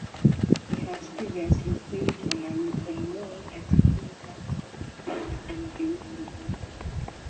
He has previously played on loan at Harrogate Town and Guiseley.